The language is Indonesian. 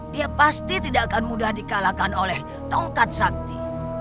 dia pasti tidak akan mudah dikalahkan oleh tongkat sakti